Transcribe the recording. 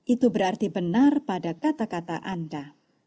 itu berarti benar pada kata kata anda